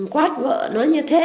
quát vợ nó như thế